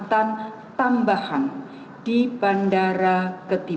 tepatnya tang sukun di wilayah wilayah precisamente